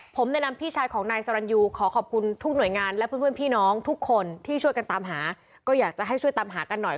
ผมแนะนำพี่ชายของนายสรรยูขอขอบคุณทุกหน่วยงานและเพื่อนพี่น้องทุกคนที่ช่วยกันตามหาก็อยากจะให้ช่วยตามหากันหน่อย